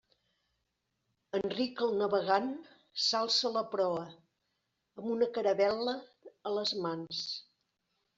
Enric el Navegant s'alça a la proa, amb una caravel·la a les mans.